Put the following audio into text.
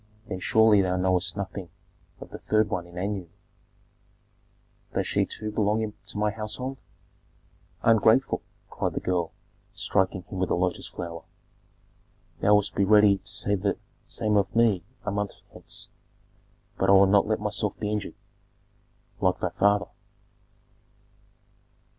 Then surely thou knowest nothing of the third one in Anu." "Does she too belong to my household?" "Ungrateful!" cried the girl, striking him with a lotus flower. "Thou wouldst be ready to say the same of me a month hence. But I will not let myself be injured." "Like thy father."